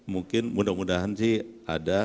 mungkin mudah mudahan sih ada